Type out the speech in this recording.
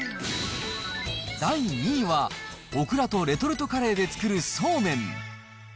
第２位はおくらとレトルトカレーで作るそうめん。